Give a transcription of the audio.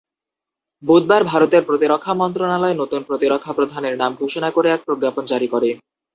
বুধবার ভারতের প্রতিরক্ষা মন্ত্রণালয় নতুন প্রতিরক্ষাপ্রধানের নাম ঘোষণা করে এক প্রজ্ঞাপন জারি করে।